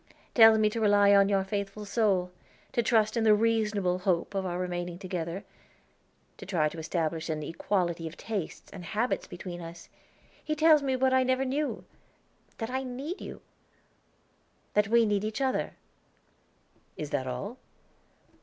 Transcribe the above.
"Tells me to rely on your faithful soul; to trust in the reasonable hope of our remaining together; to try to establish an equality of tastes and habits between us. He tells me what I never knew, that I need you that we need each other." "Is that all?"